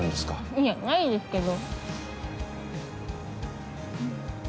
いやないですけど。